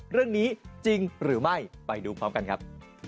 เรื่องนี้จริงหรือไม่ไปดูพร้อมกันครับ